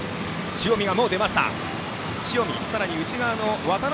塩見がもう出ました。